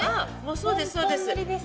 そうですそうです。